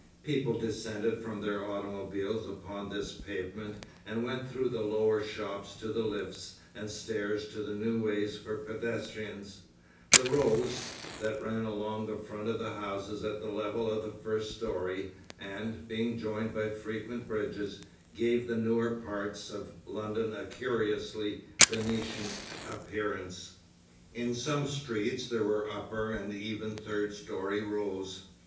People descended from their automobiles upon this pavement and went through the lower shops to the lifts and stairs to the new ways for pedestrians, the Rows, that ran along the front of the houses at the level of the first story, and, being joined by frequent bridges, gave the newer parts of London a curiously Venetian appearance. In some streets there were upper and even third story Rows.